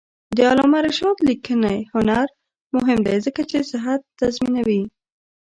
د علامه رشاد لیکنی هنر مهم دی ځکه چې صحت تضمینوي.